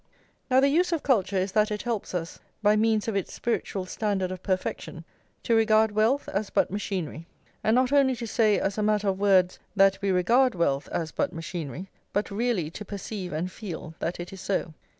Now, the use of culture is that it helps us, by means of its spiritual standard of perfection, to regard wealth as but machinery, and not only to say as a matter of words that we regard wealth as but machinery, but really to perceive and feel that it is so.